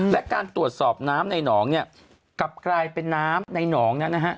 และการตรวจสอบน้ำในหนองเนี่ยกลับกลายเป็นน้ำในหนองนั้นนะฮะ